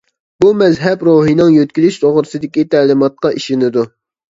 بۇ مەزھەپ روھنىڭ يۆتكىلىش توغرىسىدىكى تەلىماتقا ئىشىنىدۇ.